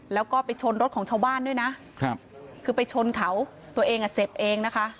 แล้วก็ไปชนรถของชาวบ้านด้วยนะครับคือไปชนเขาตัวเองอ่ะเจ็บเองนะคะ